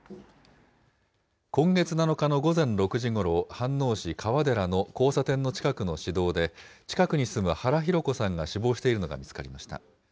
今月７日の午前６時ごろ、飯能市川寺の交差点の近くの市道で、近くに住む原弘子さんが死亡しているのが見つかりました。